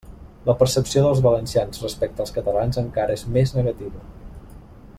La percepció dels valencians respecte als catalans encara és més negativa.